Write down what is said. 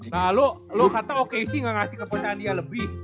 nah lo lo kata oke sih ga ngasih kepercayaan dia lebih